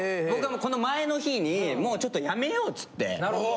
僕がこの前の日に「もうちょっと辞めよう」つって。